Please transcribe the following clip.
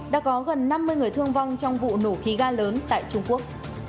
đã có gần năm mươi người thương vong trong vụ nổ khí ga lớn tại trung quốc